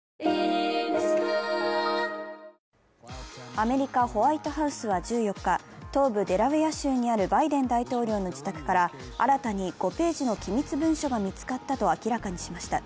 アメリカ・ホワイトハウスは１４日東部デラウェア州にあるバイデン大統領の自宅から新たに５ページの機密文書が見つかったと明らかにしました。